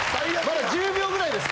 まだ１０秒ぐらいです。